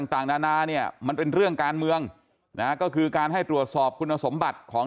ต่างนานาเนี่ยมันเป็นเรื่องการเมืองนะก็คือการให้ตรวจสอบคุณสมบัติของ